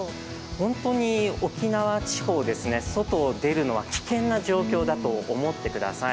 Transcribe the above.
本当に沖縄地方、外を出るのは危険な状況だと思ってください。